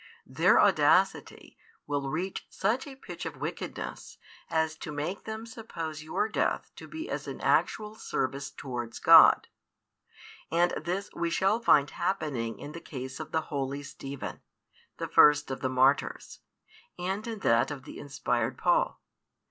Their audacity will reach such a pitch of wickedness as to make them suppose your death to be as an actual service towards God. And this we shall find happening in the case of the holy Stephen, the |436 first of the martyrs, and in that of the inspired Paul.